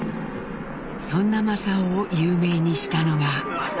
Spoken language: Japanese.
そんな正雄を有名にしたのが。